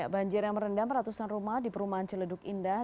banjir yang merendam ratusan rumah di perumahan celeduk indah